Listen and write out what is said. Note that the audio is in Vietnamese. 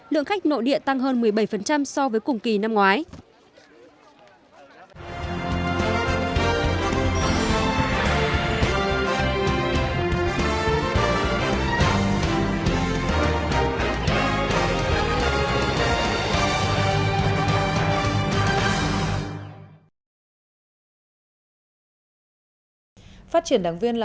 lượng khách nội địa tăng hơn một mươi bảy so với cùng kỳ năm ngoái